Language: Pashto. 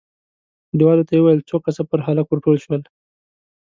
کليوالو ته يې وويل، څو کسه پر هلک ور ټول شول،